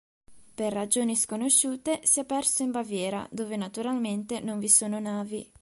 Per ragioni sconosciute si è perso in Baviera dove naturalmente non vi sono navi.